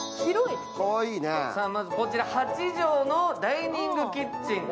まず８畳のダイニングキッチン。